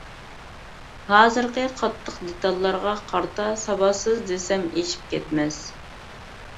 ھازىرقى قاتتىق دېتاللارغا قارىتا ساۋاتسىز دېسەم ئېشىپ كەتمەس.